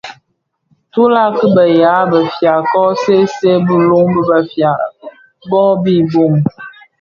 Tülag ki bëya bëfia kō see see bi lön befia bō dhi bō,